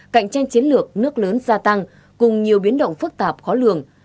cạnh tranh chiến lược nước lớn gia tăng cùng nhiều biến động phức tạp khó lường